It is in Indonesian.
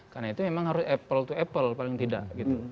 karena itu memang harus apple to apple paling tidak